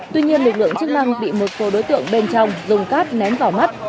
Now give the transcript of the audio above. tuy nhiên lực lượng chức năng bị một số đối tượng bên trong dùng cát ném vào mắt